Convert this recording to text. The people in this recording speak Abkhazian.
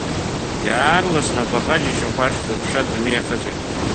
Иаарласны абаҟа-џьашьахә ахьӡ-аԥша адунеи иахыҵәеит.